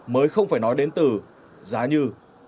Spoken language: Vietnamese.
mới không phải nói đến từ giá như